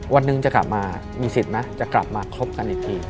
วันหนึ่งจะกลับมามีสิทธิ์ไหมจะกลับมาคบกันอีกที